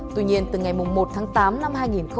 tuy nhiên từ ngày một tháng tám năm hai nghìn hai mươi